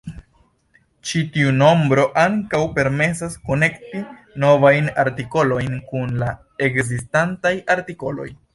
Ĉi tiu nombro ankaŭ permesas konekti novajn artikolojn kun la ekzistantaj artikoloj.